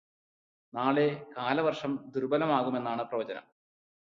നാളെ കാലവര്ഷം ദുര്ബലമാകുമെന്നാണ് പ്രവചനം.